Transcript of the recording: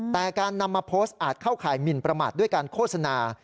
แต่การนำมาโพสต์อาจเข้าข่ายหมินประมาทด้วยการโฆษณา